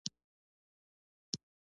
په څۀ خبره ځان قصداً نۀ پوهه كول